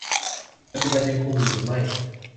ปัจจุบันยังคุมอยู่หรือไม่